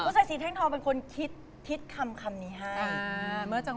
คุณสตแท่งทองเป็นคนคิดคำนี้ให้